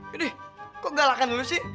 yaudah kok galakan lo sih